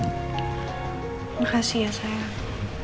terima kasih ya sayang